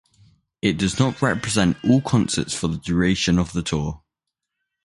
It does not represent all concerts for the duration of the tour.